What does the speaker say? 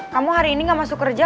kamu hari ini gak masuk kerja